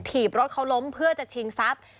ถีบรถเขาล้มเพื่อจะชิงทรัพย์